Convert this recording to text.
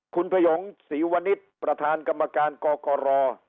คุณพยงศรีวณิชย์ประธานกรรมการกกร